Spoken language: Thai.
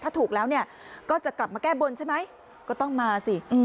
ถ้าถูกแล้วเนี่ยก็จะกลับมาแก้บนใช่ไหมก็ต้องมาสิ